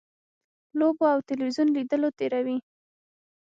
لوبو او تلویزیون لیدلو تېروي.